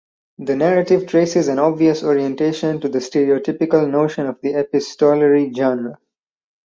The narrative traces an obvious orientation to the stereotypical notion of the epistolary genre.